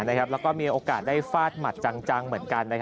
แล้วก็มีโอกาสได้ฟาดหมัดจังเหมือนกัน